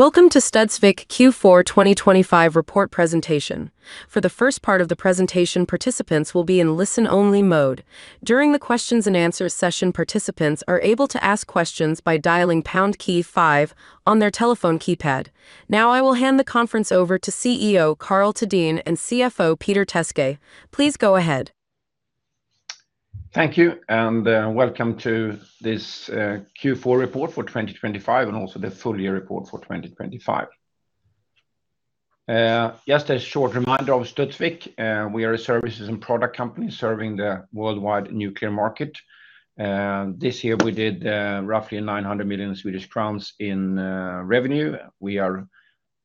Welcome to Studsvik Q4 2025 report presentation. For the first part of the presentation, participants will be in listen-only mode. During the questions and answers session, participants are able to ask questions by dialing pound key five on their telephone keypad. Now, I will hand the conference over to CEO Karl Thedéen and CFO Peter Teske. Please go ahead. Thank you, and welcome to this Q4 report for 2025, and also the full-year report for 2025. Just a short reminder of Studsvik, we are a services and product company serving the worldwide nuclear market. This year we did roughly 900 million Swedish crowns in revenue. We are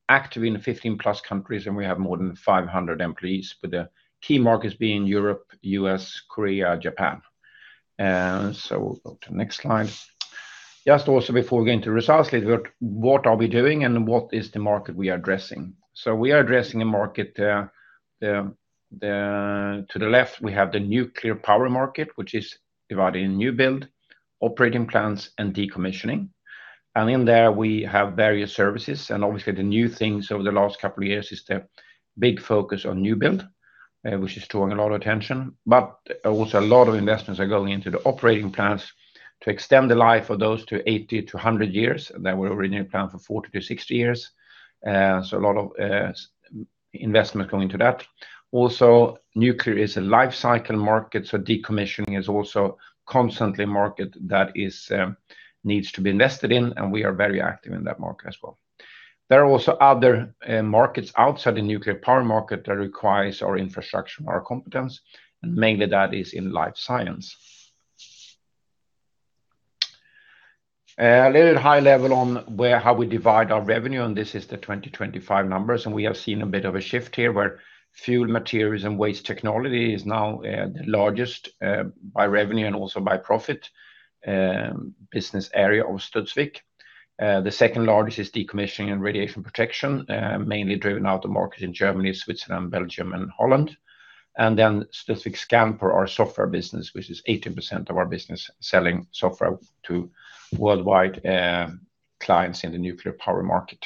active in 15+ countries, and we have more than 500 employees, with the key markets being Europe, U.S., Korea, Japan. So go to the next slide. Just also before we get into results, little bit, what are we doing and what is the market we are addressing? So we are addressing a market, the... To the left, we have the nuclear power market, which is divided in new build, operating plants, and decommissioning. In there we have various services, and obviously the new things over the last couple of years is the big focus on new build, which is drawing a lot of attention. But also a lot of investments are going into the operating plants to extend the life of those to 80-100 years, that were already in plan for 40-60 years. So a lot of investment going into that. Also, nuclear is a life cycle market, so decommissioning is also constantly a market that is needs to be invested in, and we are very active in that market as well. There are also other markets outside the nuclear power market that requires our infrastructure and our competence, and mainly that is in life science. A little high level on where, how we divide our revenue, and this is the 2025 numbers, and we have seen a bit of a shift here, where fuel, materials, and waste technology is now the largest by revenue and also by profit business area of Studsvik. The second largest is Decommissioning and Radiation Protection, mainly driven out of the market in Germany, Switzerland, Belgium, and Holland. And then Studsvik Scandpower, our software business, which is 80% of our business, selling software to worldwide clients in the nuclear power market.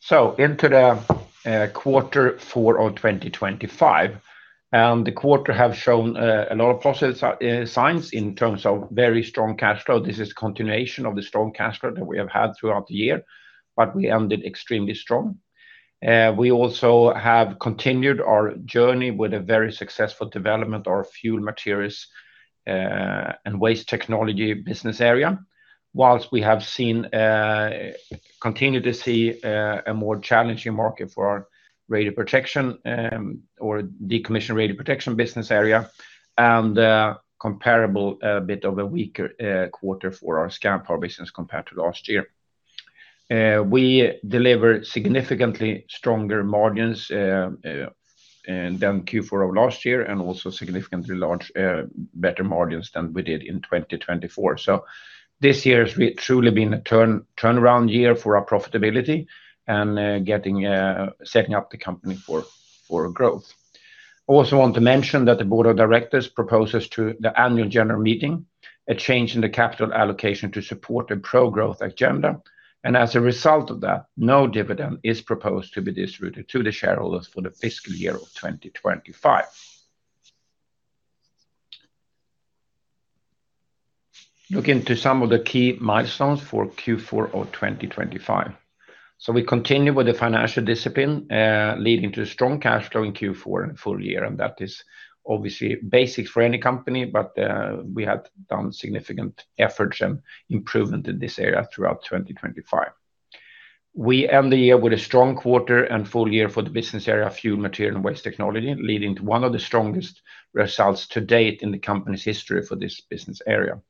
So into the quarter four of 2025, and the quarter have shown a lot of positive signs in terms of very strong cash flow. This is continuation of the strong cash flow that we have had throughout the year, but we ended extremely strong. We also have continued our journey with a very successful development of our fuel materials and waste technology business area. While we have seen continue to see a more challenging market for our radiation protection or decommissioning radiation protection business area, and a comparable bit of a weaker quarter for our Scandpower business compared to last year. We delivered significantly stronger margins than Q4 of last year, and also significantly larger better margins than we did in 2024. So this year has truly been a turnaround year for our profitability and getting setting up the company for growth. I also want to mention that the board of directors proposes to the annual general meeting a change in the capital allocation to support a pro-growth agenda. As a result of that, no dividend is proposed to be distributed to the shareholders for the fiscal year of 2025. Look into some of the key milestones for Q4 of 2025. So we continue with the financial discipline, leading to strong cash flow in Q4 and full-year, and that is obviously basic for any company, but, we have done significant efforts and improvement in this area throughout 2025. We end the year with a strong quarter and full-year for the business area, Fuel Material and Waste Technology, leading to one of the strongest results to date in the company's history for this business area.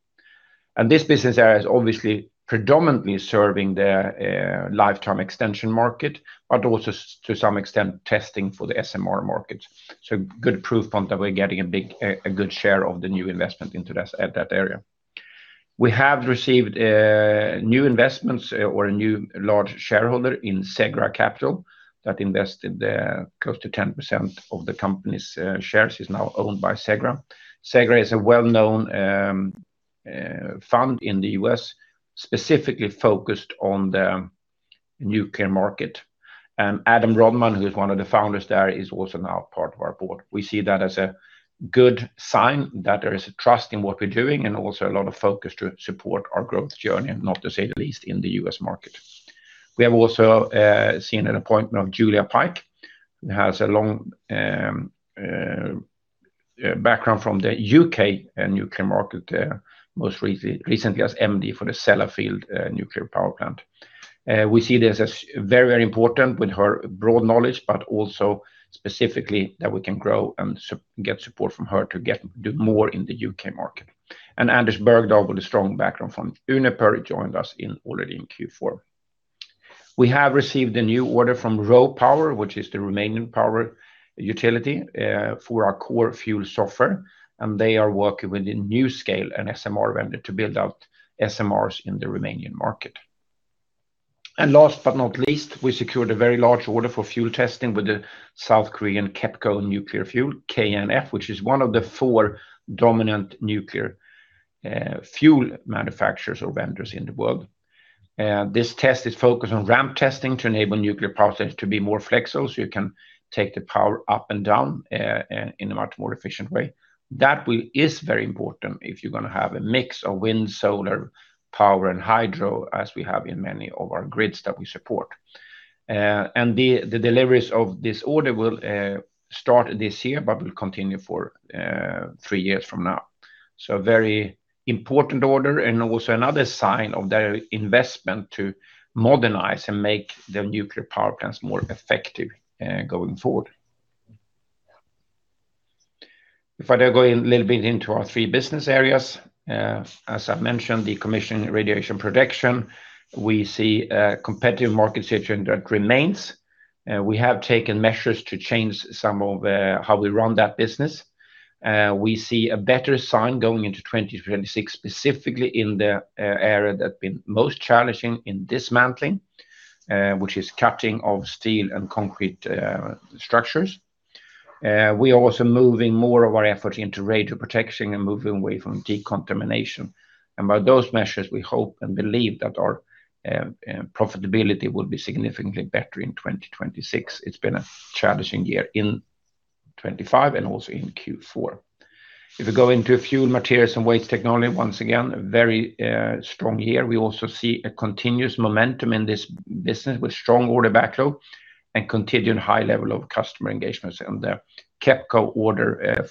And this business area is obviously predominantly serving the, lifetime extension market, but also to some extent, testing for the SMR market. So, good proof point that we're getting a big, good share of the new investment into this, at that area. We have received new investments or a new large shareholder in Segra Capital that invested close to 10% of the company's shares is now owned by Segra. Segra is a well-known fund in the U.S., specifically focused on the nuclear market. Adam Rodman, who is one of the founders there, is also now part of our board. We see that as a good sign that there is a trust in what we're doing, and also a lot of focus to support our growth journey, and not to say the least, in the U.S. market. We have also seen an appointment of Julia Pyke, who has a long background from the U.K. and Nuclear Market, most recently as MD for the Sellafield nuclear power plant. We see this as very, very important with her broad knowledge, but also specifically that we can grow and get support from her to do more in the U.K. market. And Anders Bergdahl, with a strong background from Uniper, joined us already in Q4. We have received a new order from RoPower Nuclear, which is the Romanian power utility, for our core fuel software, and they are working with the NuScale and SMR vendor to build out SMRs in the Romanian market. And last but not least, we secured a very large order for fuel testing with the South Korean KEPCO Nuclear Fuel, KNF, which is one of the four dominant nuclear fuel manufacturers or vendors in the world. And this test is focused on ramp testing to enable nuclear process to be more flexible, so you can take the power up and down in a much more efficient way. That is very important if you're gonna have a mix of wind, solar, power, and hydro, as we have in many of our grids that we support. And the, the deliveries of this order will start this year, but will continue for three years from now. So a very important order, and also another sign of their investment to modernize and make the nuclear power plants more effective going forward. If I go a little bit into our three business areas, as I've mentioned, the decommissioning radiation protection, we see a competitive market situation that remains. We have taken measures to change some of how we run that business. We see a better sign going into 2026, specifically in the area that's been most challenging in dismantling, which is cutting of steel and concrete structures. We are also moving more of our effort into radiation protection and moving away from decontamination. And by those measures, we hope and believe that our profitability will be significantly better in 2026. It's been a challenging year in 2025 and also in Q4. If we go into a fuel materials and waste technology, once again, a very strong year. We also see a continuous momentum in this business with strong order backlog and continued high level of customer engagements, and the KEPCO order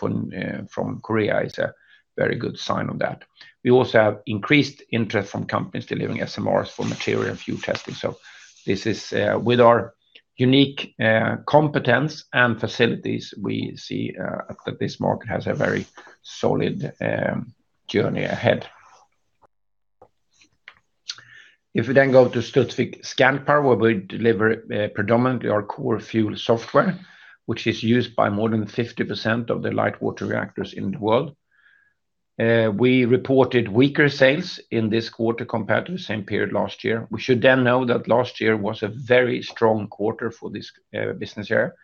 from Korea is a very good sign of that. We also have increased interest from companies delivering SMRs for material and fuel testing. So this is with our unique competence and facilities, we see that this market has a very solid journey ahead. If we then go to Scandpower, where we deliver predominantly our core fuel software, which is used by more than 50% of the light water reactors in the world. We reported weaker sales in this quarter compared to the same period last year. We should then know that last year was a very strong quarter for this business year.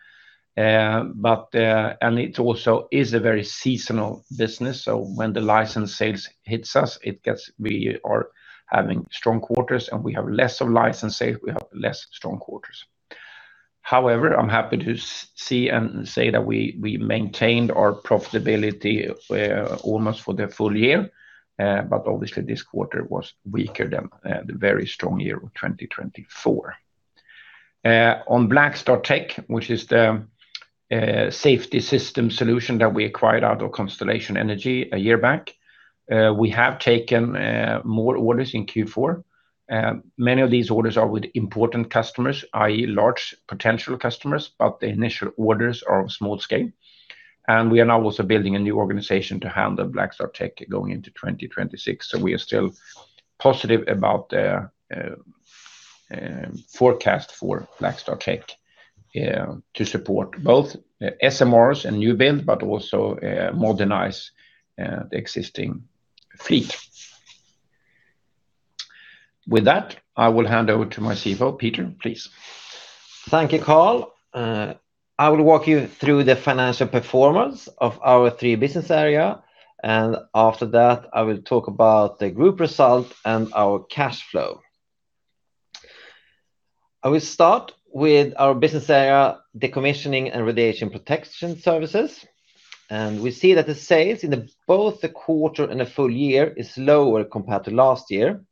But... It also is a very seasonal business, so when the license sales hits us, we are having strong quarters, and we have less of license sales, we have less strong quarters. However, I'm happy to see and say that we, we maintained our profitability almost for the full-year. But obviously this quarter was weaker than the very strong year of 2024. On BlackStarTech, which is the safety system solution that we acquired out of Constellation Energy a year back, we have taken more orders in Q4. Many of these orders are with important customers, i.e., large potential customers, but the initial orders are of small scale. And we are now also building a new organization to handle BlackStarTech going into 2026. We are still positive about the forecast for BlackStarTech to support both SMRs and new build, but also modernize the existing fleet. With that, I will hand over to my CFO. Peter, please. Thank you, Karl. I will walk you through the financial performance of our three business area, and after that, I will talk about the group result and our cash flow. I will start with our business area, Decommissioning and Radiation Protection Services, and we see that the sales in both the quarter and the full-year is lower compared to last year.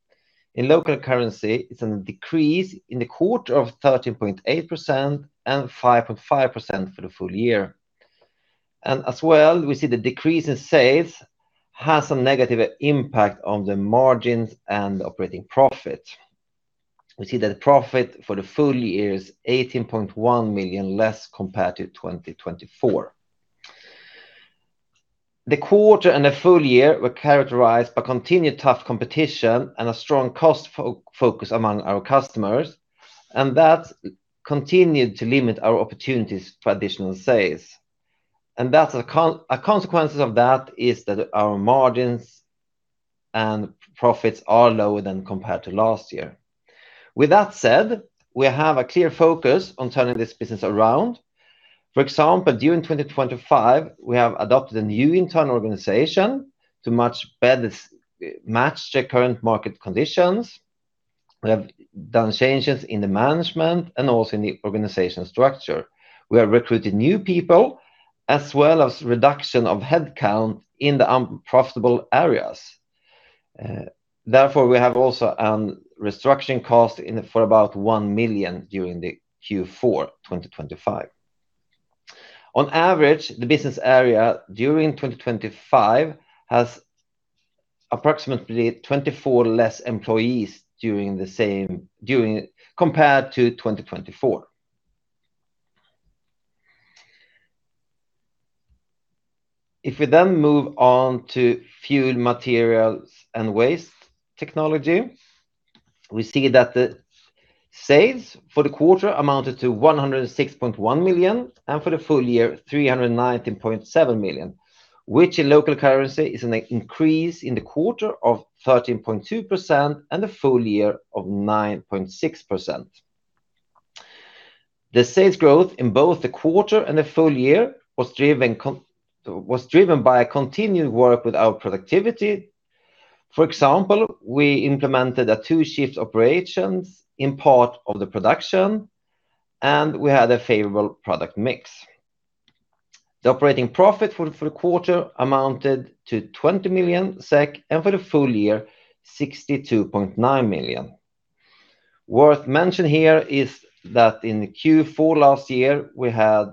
In local currency, it's a decrease in the quarter of 13.8% and 5.5% for the full-year. And as well, we see the decrease in sales has a negative impact on the margins and operating profit. We see that the profit for the full-year is 18.1 million less compared to 2024. The quarter and the full-year were characterized by continued tough competition and a strong cost focus among our customers, and that continued to limit our opportunities for additional sales. And that's a consequence of that is that our margins and profits are lower than compared to last year. With that said, we have a clear focus on turning this business around. For example, during 2025, we have adopted a new internal organization to much better match the current market conditions. We have done changes in the management and also in the organization structure. We have recruited new people, as well as reduction of headcount in the unprofitable areas. Therefore, we have also restructuring cost in for about 1 million during the Q4 2025. On average, the business area during 2025 has approximately 24 less employees during the same, during... compared to 2024. If we then move on to fuel materials and waste technology, we see that the sales for the quarter amounted to 106.1 million, and for the full-year, 319.7 million, which in local currency is an increase in the quarter of 13.2% and the full-year of 9.6%. The sales growth in both the quarter and the full-year was driven by a continued work with our productivity. For example, we implemented a two-shift operations in part of the production, and we had a favorable product mix. The operating profit for the full quarter amounted to 20 million SEK, and for the full-year, 62.9 million. Worth mentioning here is that in Q4 last year, we had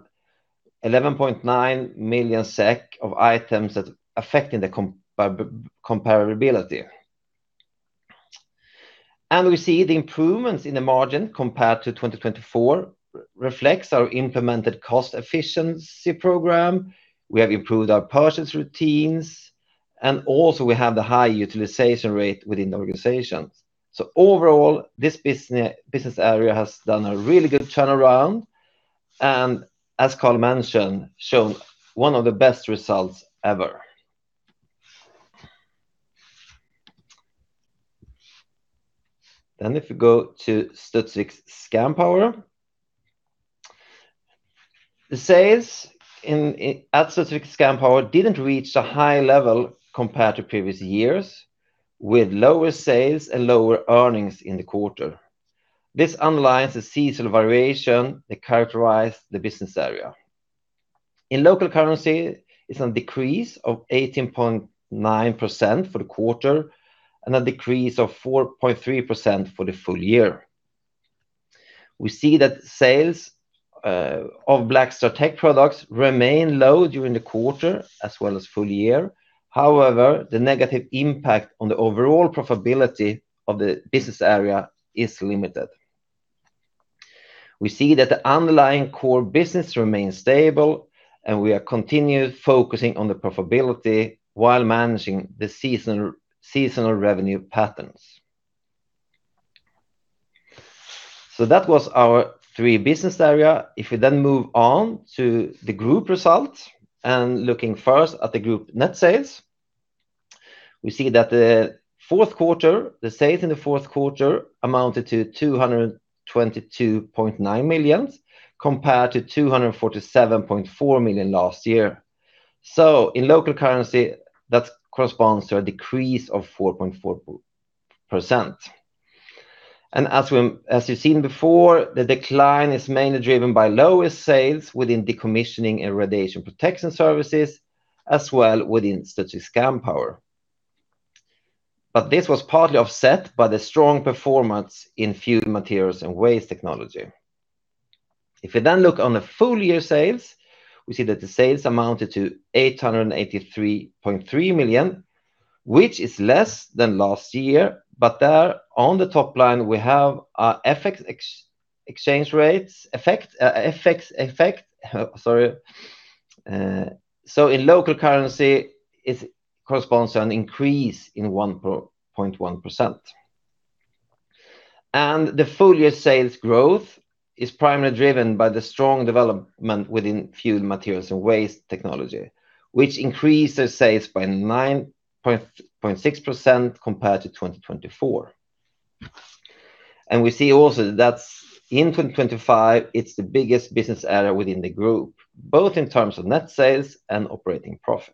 11.9 million SEK of items that affecting the comparability. And we see the improvements in the margin compared to 2024 reflects our implemented cost efficiency program. We have improved our purchase routines, and also we have the high utilization rate within the organizations. So overall, this business area has done a really good turnaround, and as Karl mentioned, shown one of the best results ever. Then if you go to Studsvik Scandpower, the sales at Studsvik Scandpower didn't reach the high level compared to previous years, with lower sales and lower earnings in the quarter. This underlines the seasonal variation that characterize the business area. In local currency, it's a decrease of 18.9% for the quarter and a decrease of 4.3% for the full-year. We see that sales of BlackStarTech products remain low during the quarter as well as full-year. However, the negative impact on the overall profitability of the business area is limited. We see that the underlying core business remains stable, and we are continued focusing on the profitability while managing the seasonal revenue patterns. So that was our three business area. If we then move on to the group results and looking first at the group net sales, we see that the fourth quarter, the sales in the fourth quarter amounted to 222.9 million, compared to 247.4 million last year. So in local currency, that corresponds to a decrease of 4.4%. As you've seen before, the decline is mainly driven by lowest sales within Decommissioning and Radiation Protection services, as well within Studsvik Scandpower. But this was partly offset by the strong performance in fuel materials and waste technology. If we then look on the full-year sales, we see that the sales amounted to 883.3 million, which is less than last year, but there on the top line, we have a FX exchange rates effect, FX effect, sorry. So in local currency, it corresponds to an increase in 1.1%. The full-year sales growth is primarily driven by the strong development within fuel materials and waste technology, which increases sales by 9.6% compared to 2024. We see also that's in 2025, it's the biggest business area within the group, both in terms of net sales and operating profit.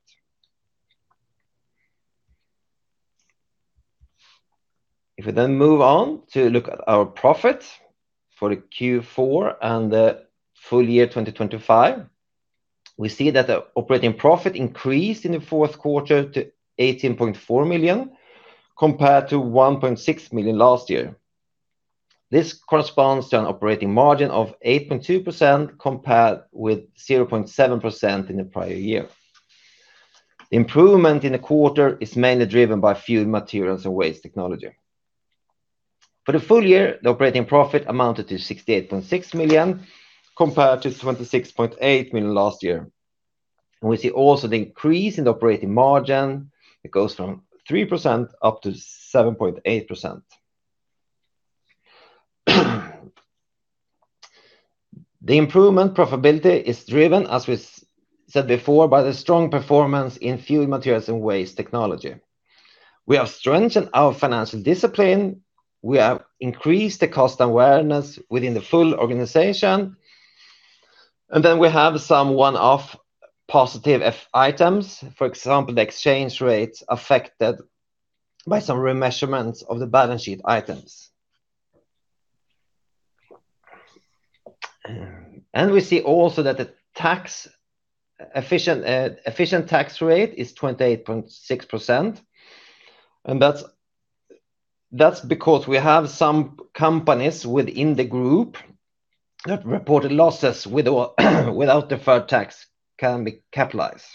If we then move on to look at our profit for the Q4 and the full-year 2025, we see that the operating profit increased in the fourth quarter to 18.4 million, compared to 1.6 million last year. This corresponds to an operating margin of 8.2%, compared with 0.7% in the prior year. Improvement in the quarter is mainly driven by fuel materials and waste technology. For the full-year, the operating profit amounted to 68.6 million, compared to 26.8 million last year. We see also the increase in the operating margin. It goes from 3% up to 7.8%. The improvement profitability is driven, as we said before, by the strong performance in fuel materials and waste technology. We have strengthened our financial discipline, we have increased the cost awareness within the full organization, and then we have some one-off positive FX items. For example, the exchange rates affected by some remeasurements of the balance sheet items. We see also that the effective tax rate is 28.6%, and that's because we have some companies within the group that reported losses with or without deferred tax, can be capitalized.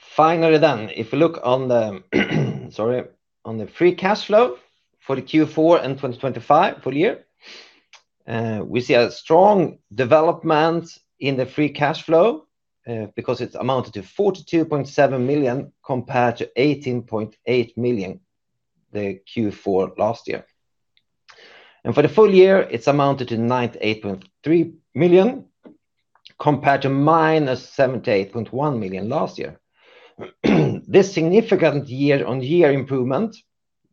Finally, if we look on the, sorry, on the free cash flow for the Q4 and 2025 full-year, we see a strong development in the free cash flow, because it's amounted to 42.7 million compared to 18.8 million, the Q4 last year. For the full-year, it's amounted to 98.3 million compared to -78.1 million last year. This significant year-on-year improvement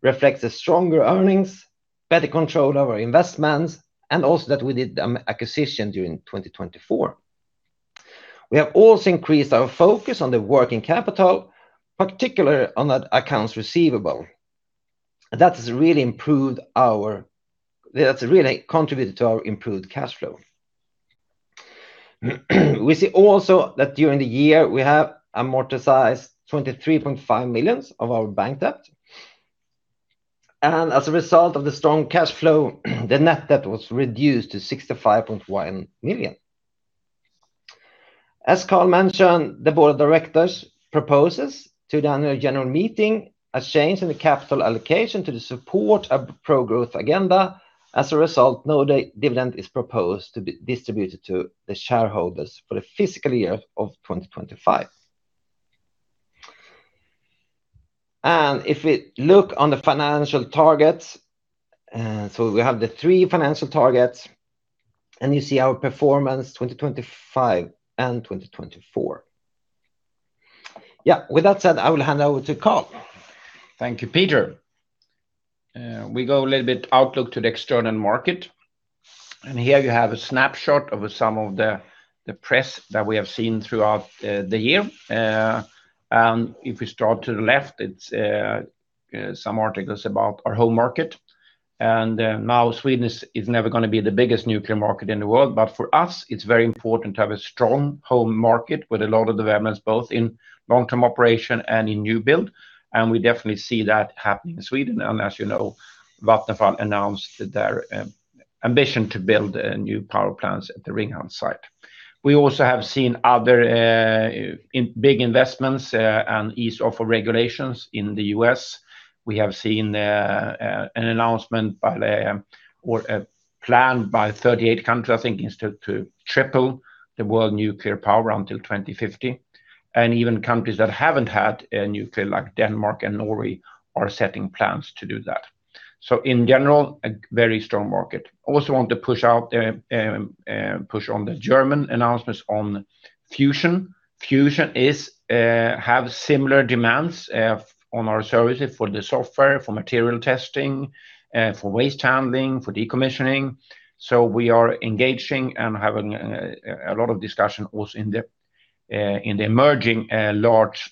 reflects the stronger earnings, better control of our investments, and also that we did acquisition during 2024. We have also increased our focus on the working capital, particularly on that accounts receivable. That has really improved. That's really contributed to our improved cash flow. We also see that during the year, we have amortized 23.5 million of our bank debt. As a result of the strong cash flow, the net debt was reduced to 65.1 million. As Karl mentioned, the board of directors proposes to the annual general meeting a change in the capital allocation to the support of pro-growth agenda. As a result, no dividend is proposed to be distributed to the shareholders for the fiscal year of 2025. If we look on the financial targets, so we have the three financial targets, and you see our performance 2025 and 2024. Yeah, with that said, I will hand over to Karl. Thank you, Peter. We go a little bit outlook to the external market, and here you have a snapshot of some of the press that we have seen throughout the year. If we start to the left, it's some articles about our home market. Now Sweden is never gonna be the biggest nuclear market in the world, but for us, it's very important to have a strong home market with a lot of developments, both in long-term operation and in new build, and we definitely see that happening in Sweden. As you know, Vattenfall announced their ambition to build new power plants at the Ringhals site. We also have seen other big investments and ease off of regulations in the U.S. We have seen an announcement by the, or a plan by 38 countries, I think, is to, to triple the world nuclear power until 2050, and even countries that haven't had a nuclear, like Denmark and Norway, are setting plans to do that. So in general, a very strong market. I also want to push out, push on the German announcements on fusion. Fusion is, have similar demands, on our services for the software, for material testing, for waste handling, for decommissioning. So we are engaging and having, a lot of discussion also in the, in the emerging, large,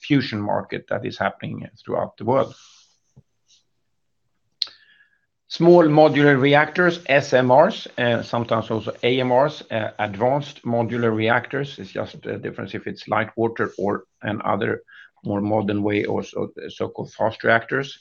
fusion market that is happening throughout the world. Small modular reactors, SMRs, sometimes also AMRs, advanced modular reactors. It's just a difference if it's light water or another more modern way or so, so-called fast reactors.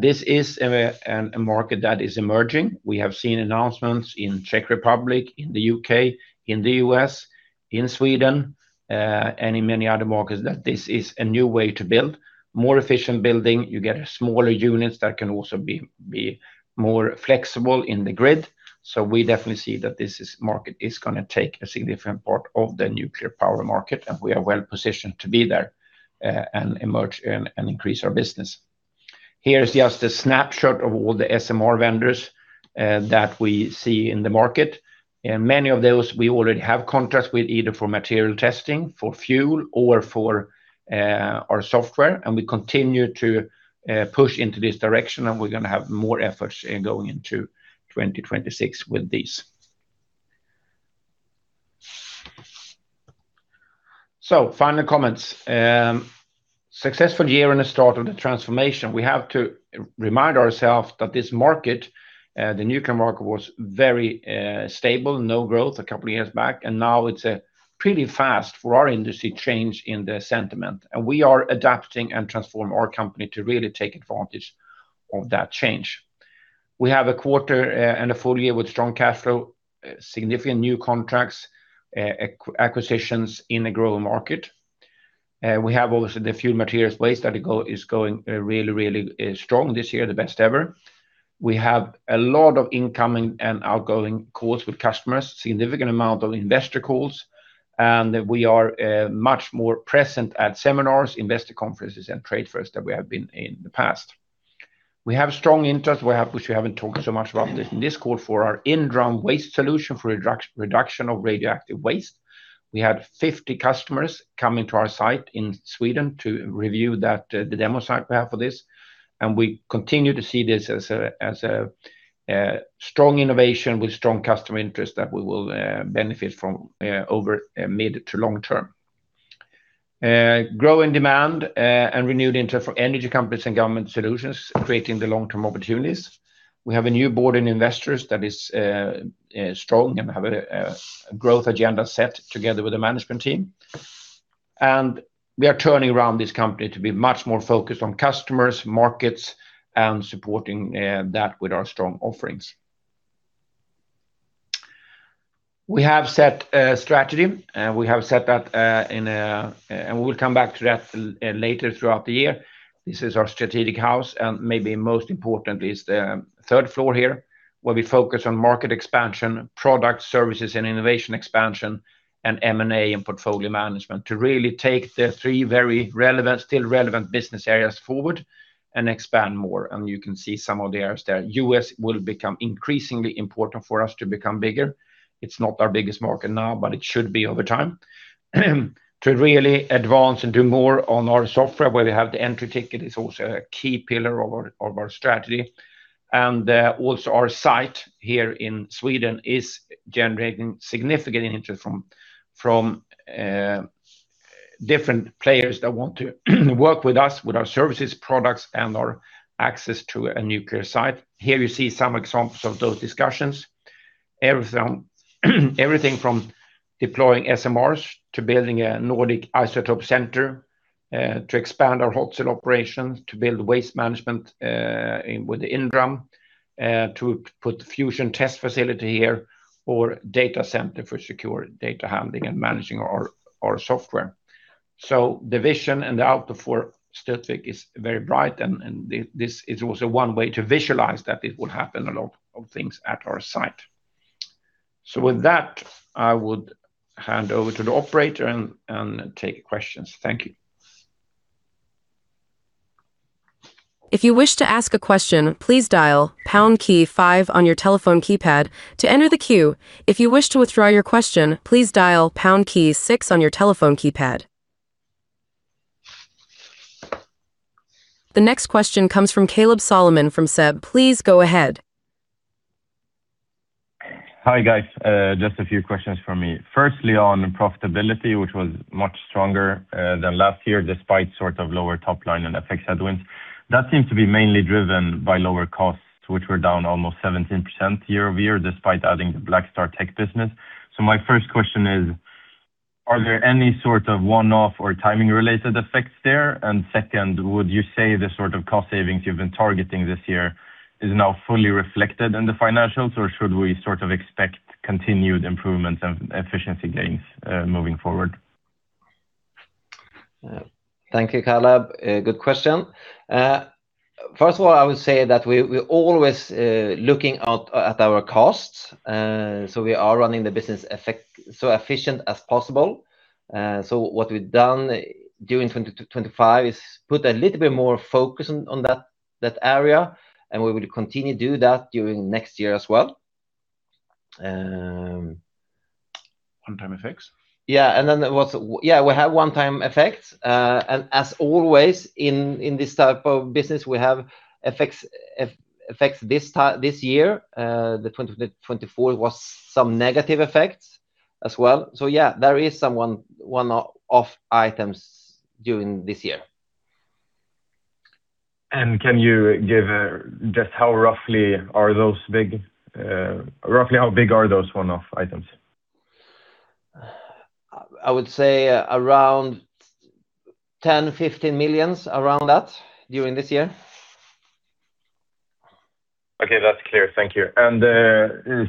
This is a market that is emerging. We have seen announcements in Czech Republic, in the U.K., in the U.S., in Sweden, and in many other markets, that this is a new way to build. More efficient building, you get smaller units that can also be more flexible in the grid. So we definitely see that this is market is gonna take a significant part of the nuclear power market, and we are well positioned to be there, and emerge and increase our business. Here is just a snapshot of all the SMR vendors that we see in the market, and many of those we already have contracts with, either for material testing, for fuel, or for our software, and we continue to push into this direction, and we're gonna have more efforts going into 2026 with these. So final comments. Successful year and the start of the transformation. We have to remind ourselves that this market, the nuclear market, was very stable, no growth a couple of years back, and now it's a pretty fast, for our industry, change in the sentiment, and we are adapting and transform our company to really take advantage of that change. We have a quarter and a full-year with strong cash flow, significant new contracts, acquisitions in the growing market. We have also the fuel materials waste that is going really, really strong this year, the best ever. We have a lot of incoming and outgoing calls with customers, significant amount of investor calls, and we are much more present at seminars, investor conferences, and trade fairs than we have been in the past. We have strong interest, we have, which we haven't talked so much about it in this call, for our inDRUM waste solution for reduction of radioactive waste. We had 50 customers coming to our site in Sweden to review that, the demo site we have for this, and we continue to see this as a strong innovation with strong customer interest that we will benefit from over mid to long term. Growing demand and renewed interest for energy companies and government solutions, creating the long-term opportunities. We have a new board and investors that is strong and have a growth agenda set together with the management team. And we are turning around this company to be much more focused on customers, markets, and supporting that with our strong offerings. We have set a strategy, and we have set that in a and we'll come back to that later throughout the year. This is our strategic house, and maybe most important is the third floor here, where we focus on market expansion, product, services, and innovation expansion, and M&A, and portfolio management to really take the three very relevant, still relevant business areas forward and expand more, and you can see some of the areas there. U.S. will become increasingly important for us to become bigger. It's not our biggest market now, but it should be over time. To really advance and do more on our software, where we have the entry ticket, is also a key pillar of our strategy. And also our site here in Sweden is generating significant interest from different players that want to work with us, with our services, products, and our access to a nuclear site. Here you see some examples of those discussions. Everything from deploying SMRs to building a Nordic Isotope Center, to expand our hot cell operations, to build waste management in with the inDRUM, to put fusion test facility here or data center for secure data handling and managing our software. So the vision and the outlook for Studsvik is very bright, and this is also one way to visualize that it will happen, a lot of things at our site. So with that, I would hand over to the operator and take questions. Thank you. If you wish to ask a question, please dial pound key five on your telephone keypad to enter the queue. If you wish to withdraw your question, please dial pound key six on your telephone keypad. The next question comes from Caleb Solomon from SEB. Please go ahead. Hi, guys. Just a few questions from me. Firstly, on profitability, which was much stronger than last year, despite sort of lower top line and FX headwinds, that seems to be mainly driven by lower costs, which were down almost 17% year-over-year, despite adding the BlackStarTech business. So my first question is, are there any sort of one-off or timing-related effects there? And second, would you say the sort of cost savings you've been targeting this year is now fully reflected in the financials, or should we sort of expect continued improvement and efficiency gains moving forward? Thank you, Caleb. Good question. First of all, I would say that we, we're always looking out at our costs, so we are running the business as efficiently as possible. So what we've done during 2020-2025 is put a little bit more focus on, on that, that area, and we will continue to do that during next year as well. One-time effects. Yeah, we have one-time effects. And as always, in this type of business, we have effects this year, the 2020-2024 was some negative effects as well. So yeah, there is some one-off items during this year. Can you give just how roughly are those big, roughly how big are those one-off items? I would say around 10 million-15 million, around that, during this year. Okay, that's clear. Thank you. And,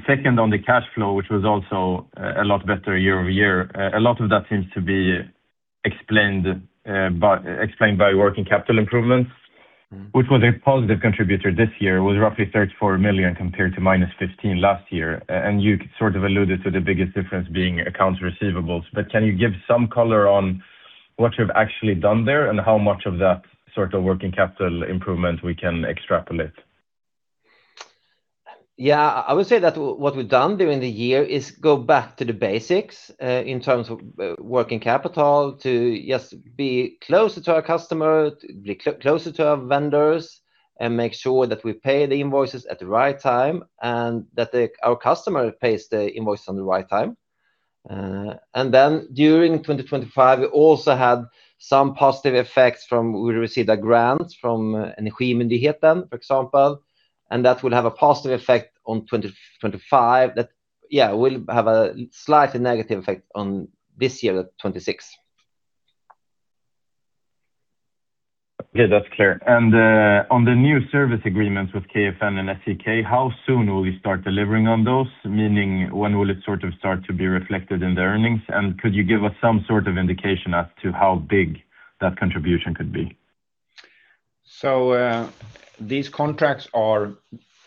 second, on the cash flow, which was also a lot better year-over-year, a lot of that seems to be explained by working capital improvements which was a positive contributor this year, was roughly 34 million compared to -15 million last year. And you sort of alluded to the biggest difference being accounts receivables. But can you give some color on what you've actually done there, and how much of that sort of working capital improvement we can extrapolate? Yeah, I would say that what we've done during the year is go back to the basics, in terms of working capital, to just be closer to our customer, to be closer to our vendors, and make sure that we pay the invoices at the right time, and that our customer pays the invoice on the right time. And then during 2025, we also had some positive effects from we received a grant from an authority, for example, and that will have a positive effect on 2025. That, yeah, will have a slightly negative effect on this year, at 2026. Okay, that's clear. And, on the new service agreements with KNF and SEK, how soon will we start delivering on those? Meaning, when will it sort of start to be reflected in the earnings, and could you give us some sort of indication as to how big that contribution could be? So, these contracts are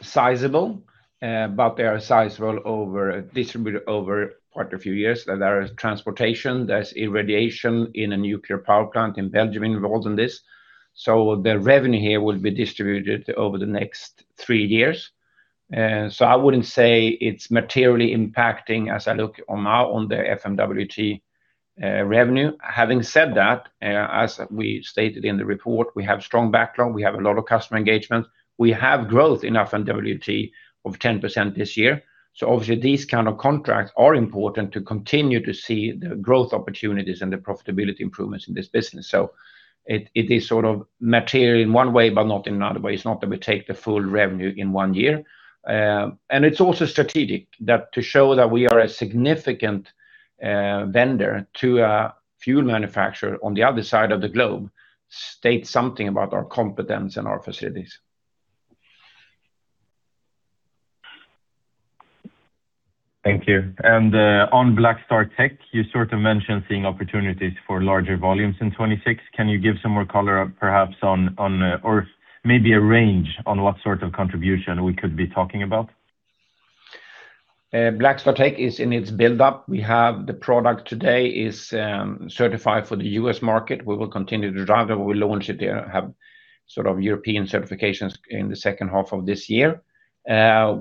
sizable, but they are sizable over, distributed over quite a few years. There are transportation, there's irradiation in a nuclear power plant in Belgium involved in this. So the revenue here will be distributed over the next three years. So I wouldn't say it's materially impacting as I look on now on the FMWT revenue. Having said that, as we stated in the report, we have strong backlog, we have a lot of customer engagement. We have growth in FMWT of 10% this year. So obviously, these kind of contracts are important to continue to see the growth opportunities and the profitability improvements in this business. So it, it is sort of material in one way, but not in another way. It's not that we take the full revenue in one year. It's also strategic, that to show that we are a significant vendor to a fuel manufacturer on the other side of the globe, states something about our competence and our facilities. Thank you. On BlackStarTech, you sort of mentioned seeing opportunities for larger volumes in 2026. Can you give some more color perhaps on or maybe a range on what sort of contribution we could be talking about? BlackStarTech is in its build-up. We have the product today is certified for the US market. We will continue to drive it. We will launch it there, have sort of European certifications in the second half of this year. I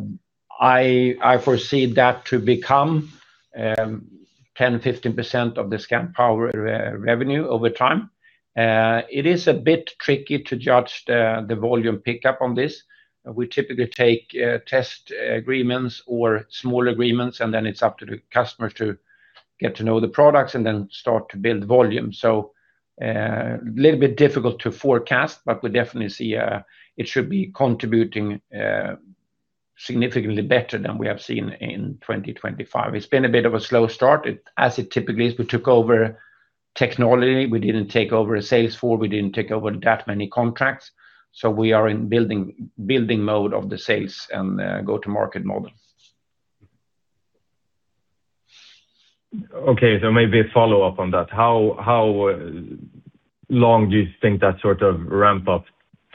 foresee that to become 10%-15% of the Scandpower revenue over time. It is a bit tricky to judge the volume pickup on this. We typically take test agreements or smaller agreements, and then it is up to the customer to get to know the products and then start to build volume. So, little bit difficult to forecast, but we definitely see it should be contributing significantly better than we have seen in 2025. It has been a bit of a slow start, as it typically is. We took over technology. We didn't take over a sales force. We didn't take over that many contracts, so we are in building, building mode of the sales and go-to-market model. Okay, so maybe a follow-up on that. How long do you think that sort of ramp up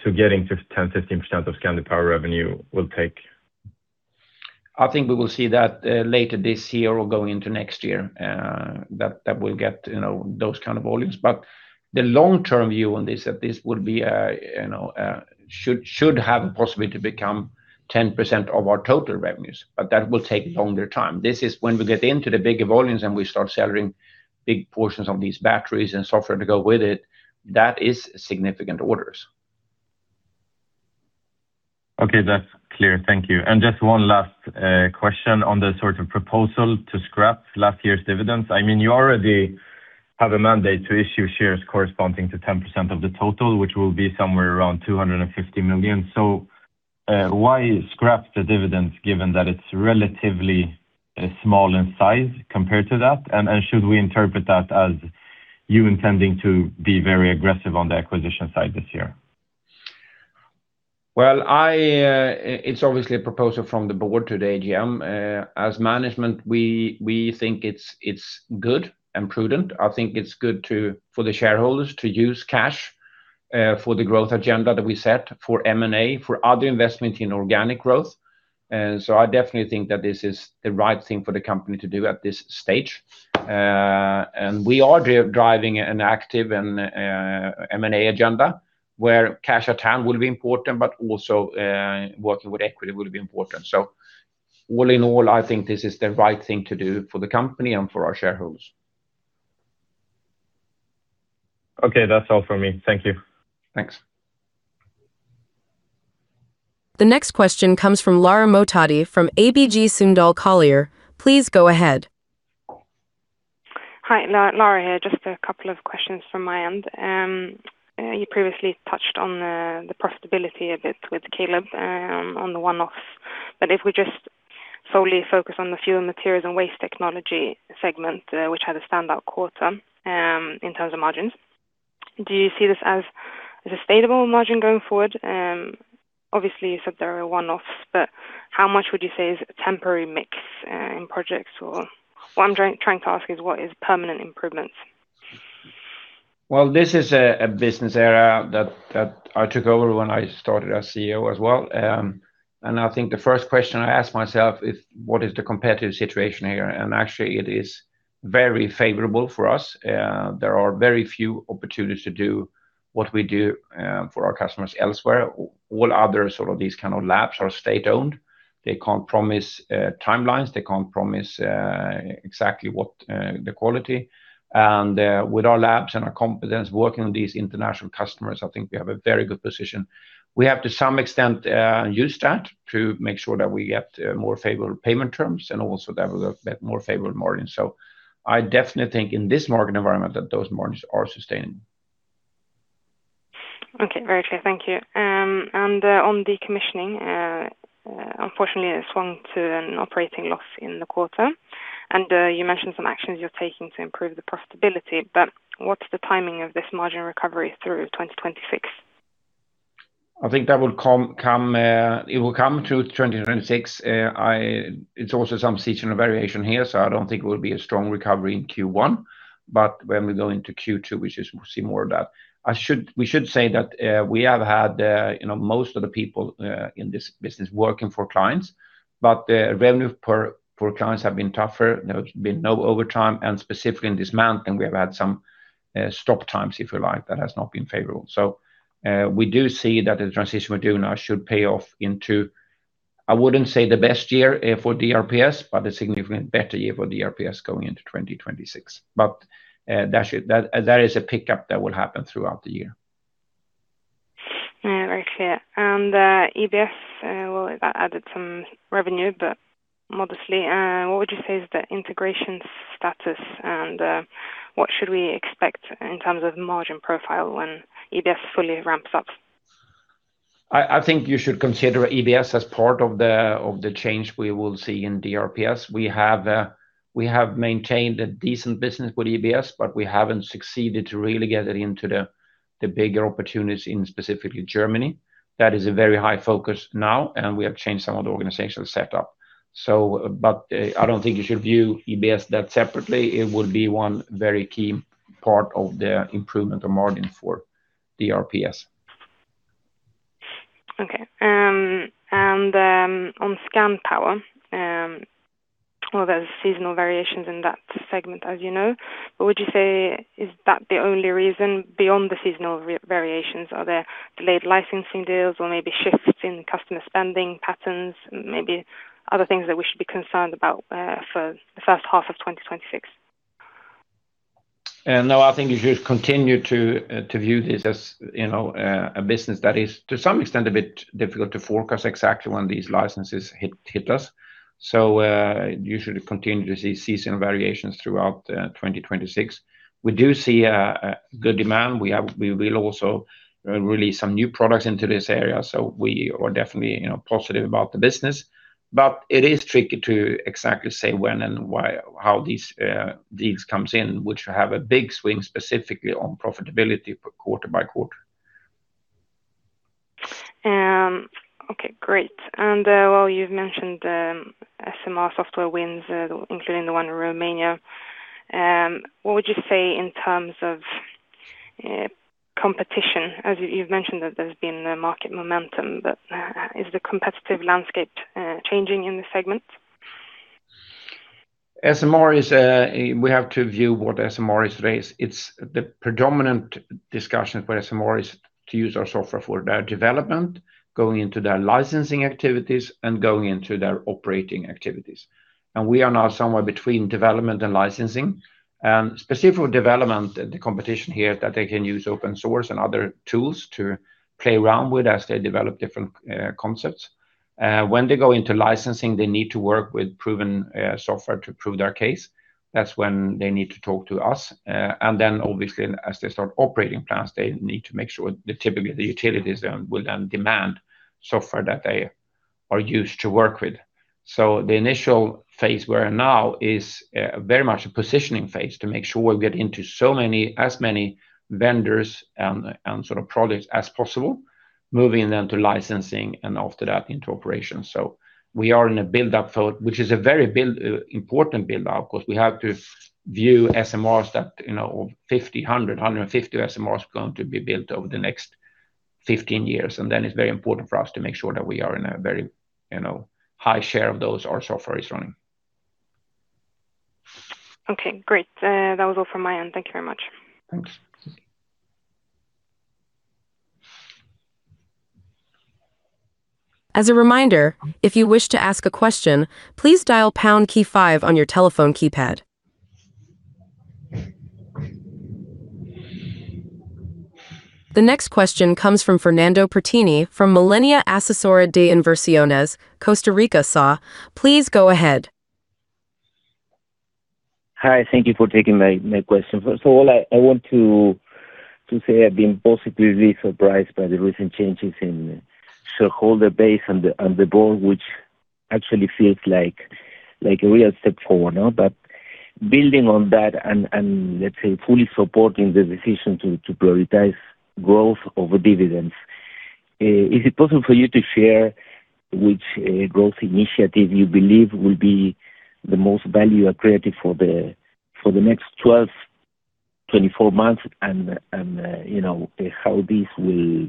to getting 10%-15% of Scandpower revenue will take? I think we will see that, later this year or going into next year, that, that will get, you know, those kind of volumes. But the long-term view on this, that this would be, you know, should, should have possibility to become 10% of our total revenues, but that will take longer time. This is when we get into the bigger volumes and we start selling big portions of these batteries and software to go with it, that is significant orders. Okay, that's clear. Thank you. And just one last question on the sort of proposal to scrap last year's dividends. I mean, you already have a mandate to issue shares corresponding to 10% of the total, which will be somewhere around 250 million. So, why scrap the dividends given that it's relatively small in size compared to that? And should we interpret that as you intending to be very aggressive on the acquisition side this year? Well, it's obviously a proposal from the board to the AGM. As management, we think it's good and prudent. I think it's good for the shareholders to use cash for the growth agenda that we set for M&A, for other investment in organic growth. So I definitely think that this is the right thing for the company to do at this stage. And we are driving an active and M&A agenda, where cash at hand will be important, but also working with equity will be important. So all in all, I think this is the right thing to do for the company and for our shareholders. Okay, that's all for me. Thank you. Thanks. The next question comes from Lara Mohtadi, from ABG Sundal Collier. Please go ahead. Hi, Lara here. Just a couple of questions from my end. You previously touched on the profitability a bit with Caleb on the one-off. But if we just solely focus on the fuel, materials, and waste technology segment, which had a standout quarter in terms of margins, do you see this as a sustainable margin going forward? Obviously, you said there are one-offs, but how much would you say is temporary mix in projects? Or what I'm trying to ask is: What is permanent improvements? Well, this is a business area that I took over when I started as CEO as well. And I think the first question I asked myself is: What is the competitive situation here? And actually, it is very favorable for us. There are very few opportunities to do what we do for our customers elsewhere. All other sort of these kind of labs are state-owned. They can't promise timelines, they can't promise exactly what the quality. And with our labs and our competence working with these international customers, I think we have a very good position. We have, to some extent, use that to make sure that we get more favorable payment terms and also that we get more favorable margins. So I definitely think in this market environment, that those margins are sustainable. Okay, very clear. Thank you. On the commissioning, unfortunately, it swung to an operating loss in the quarter. You mentioned some actions you're taking to improve the profitability, but what's the timing of this margin recovery through 2026? I think that will come through 2026. It's also some seasonal variation here, so I don't think it will be a strong recovery in Q1. But when we go into Q2, we should see more of that. We should say that, you know, most of the people in this business working for clients, but the revenue per clients have been tougher. There's been no overtime, and specifically in this mountain, we have had some stop times, if you like, that has not been favorable. So, we do see that the transition we're doing now should pay off into, I wouldn't say the best year for DRPS, but a significant better year for DRPS going into 2026. But that should... That is a pickup that will happen throughout the year. Yeah, very clear. And, EBS, well, that added some revenue, but modestly. What would you say is the integration status? And, what should we expect in terms of margin profile when EBS fully ramps up? I think you should consider EBS as part of the change we will see in DRPS. We have maintained a decent business with EBS, but we haven't succeeded to really get it into the bigger opportunities in specifically Germany. That is a very high focus now, and we have changed some of the organizational setup. But, I don't think you should view EBS that separately. It will be one very key part of the improvement of margin for the RPS. Okay. And on Scandpower, well, there's seasonal variations in that segment, as you know, but would you say is that the only reason beyond the seasonal variations? Are there delayed licensing deals or maybe shifts in customer spending patterns, maybe other things that we should be concerned about, for the first half of 2026? No, I think you should continue to view this as, you know, a business that is, to some extent, a bit difficult to forecast exactly when these licenses hit us. So, you should continue to see seasonal variations throughout 2026. We do see a good demand. We have we will also release some new products into this area, so we are definitely, you know, positive about the business. But it is tricky to exactly say when and why, how these deals comes in, which have a big swing, specifically on profitability quarter by quarter. Okay, great. And, well, you've mentioned SMR software wins, including the one in Romania. What would you say in terms of competition? As you've mentioned, that there's been a market momentum, but is the competitive landscape changing in this segment? SMR is, we have to view what SMR is today. It's the predominant discussion where SMR is to use our software for their development, going into their licensing activities, and going into their operating activities. And we are now somewhere between development and licensing. And specifically for development, the competition here, that they can use open source and other tools to play around with as they develop different, concepts. When they go into licensing, they need to work with proven, software to prove their case. That's when they need to talk to us. And then obviously, as they start operating plants, they need to make sure that typically the utilities then will then demand software that they are used to work with. So the initial phase we're in now is very much a positioning phase to make sure we get into so many, as many vendors and, and sort of products as possible, moving them to licensing, and after that, into operation. So we are in a build-up mode, which is a very build important build-up because we have to view SMRs that, you know, 50, 100, 150 SMRs are going to be built over the next 15 years. And then it's very important for us to make sure that we are in a very, you know, high share of those, our software is running. Okay, great. That was all from my end. Thank you very much. Thanks. As a reminder, if you wish to ask a question, please dial pound key five on your telephone keypad. The next question comes from Fernando Pertini, from Millenia Asesora de Inversiones, Costa Rica, SA. Please go ahead. Hi, thank you for taking my, my question. First of all, I, I want to, to say I've been positively surprised by the recent changes in shareholder base and the, and the board, which actually feels like, like a real step forward. But building on that and, and let's say, fully supporting the decision to, to prioritize growth over dividends, is it possible for you to share which growth initiative you believe will be the most value accretive for the, for the next 12-24 months? And, and, you know, how this will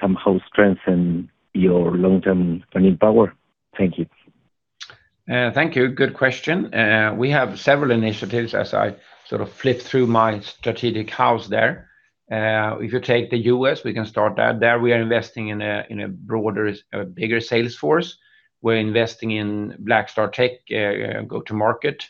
somehow strengthen your long-term earning power. Thank you. Thank you. Good question. We have several initiatives as I sort of flip through my strategic house there. If you take the U.S., we can start there. There, we are investing in a broader, bigger sales force. We're investing in BlackStarTech go-to-market.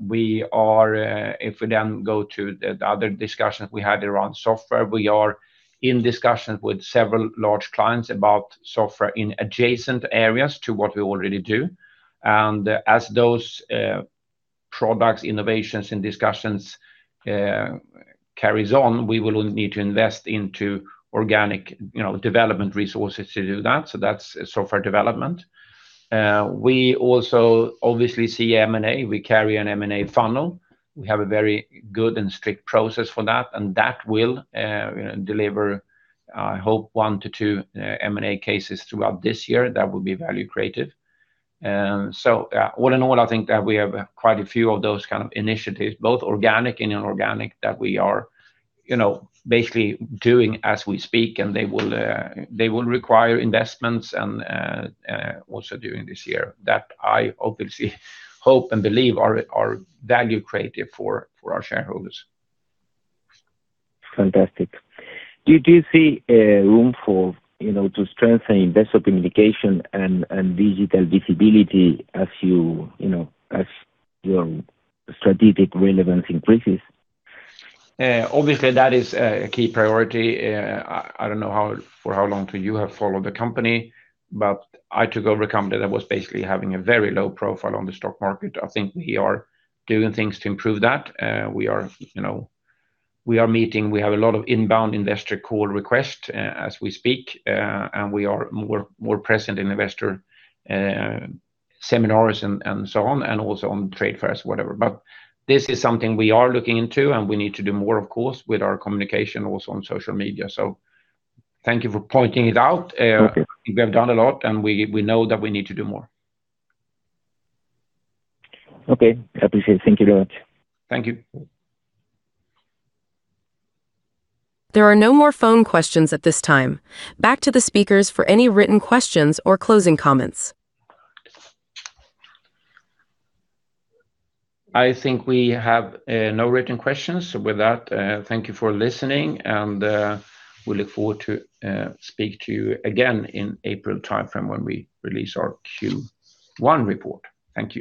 We are, if we then go to the other discussions we had around software, we are in discussions with several large clients about software in adjacent areas to what we already do. And as those products, innovations, and discussions carries on, we will need to invest into organic, you know, development resources to do that. So that's software development. We also obviously see M&A. We carry an M&A funnel. We have a very good and strict process for that, and that will deliver, I hope, 1-2 M&A cases throughout this year that will be value creative. So, all in all, I think that we have quite a few of those kind of initiatives, both organic and inorganic, that we are, you know, basically doing as we speak, and they will require investments and also during this year, that I obviously hope and believe are value creative for our shareholders. Fantastic. Do you see room for, you know, to strengthen investor communication and digital visibility as you, you know, as your strategic relevance increases? Obviously, that is a key priority. I don't know how for how long you have followed the company, but I took over a company that was basically having a very low profile on the stock market. I think we are doing things to improve that. We are, you know, we are meeting, we have a lot of inbound investor call requests, as we speak, and we are more present in investor seminars and so on, and also on trade fairs, whatever. But this is something we are looking into, and we need to do more, of course, with our communication also on social media. So thank you for pointing it out. Okay. We have done a lot, and we know that we need to do more. Okay. Appreciate. Thank you very much. Thank you. There are no more phone questions at this time. Back to the speakers for any written questions or closing comments. I think we have no written questions. So with that, thank you for listening and we look forward to speak to you again in April timeframe when we release our Q1 report. Thank you.